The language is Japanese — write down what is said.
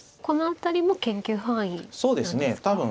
この辺りも研究範囲なんですか。